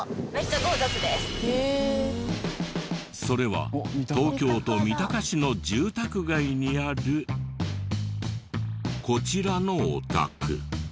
それは東京都三鷹市の住宅街にあるこちらのお宅。